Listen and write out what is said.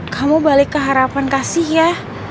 kamu balik ke harapan kasih ya